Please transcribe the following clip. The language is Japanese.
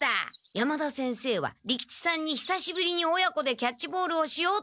山田先生は利吉さんに久しぶりに親子でキャッチボールをしようってさそって。